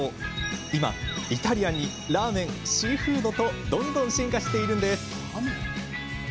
今、イタリアンにラーメンシーフードとどんどん進化しているんです。